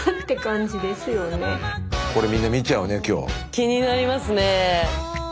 気になりますね。